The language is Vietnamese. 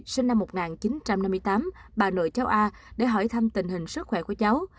sinh năm một nghìn chín trăm năm mươi tám bà nội cháu a để hỏi thăm tình hình sức khỏe của cháu